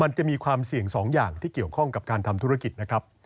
มันจะมีความเสี่ยง๒อย่างที่เกี่ยวข้องกับการทำธุรกิจนะครับ